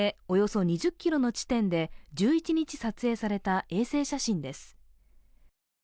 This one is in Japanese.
およそ２０ｋｍの地点で１１日撮影された衛星写真です。